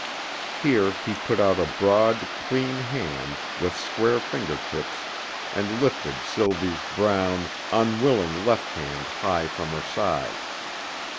Here he put out a broad, clean hand with square finger tips and lifted Sylvie's brown, unwilling left hand high from her side.